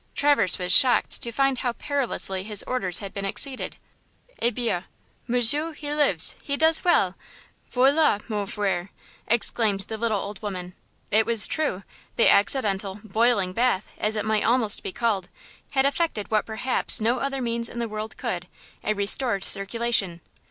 Traverse was shocked to find how perilously his orders had been exceeded. "Eh bien, Monsieur! he lives! he does well! voilà mon frère!" exclaimed the little old woman. It was true: the accidental "boiling bath," as it might almost be called, had effected what perhaps no other means in the world could–a restored circulation.